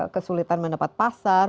kesulitan mendapat pasar